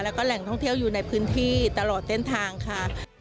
แล้วก็แหล่งท่องเที่ยวอยู่ในพื้นที่ตลอดเส้นทางค่ะ